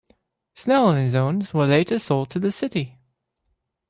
Snail and his owns were later sold to the city.